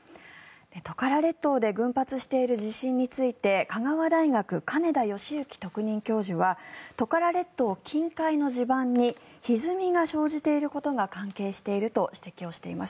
トカラ列島で群発している地震について香川大学、金田義行特任教授はトカラ列島近海の地盤にひずみが生じていることが関係していると指摘しています。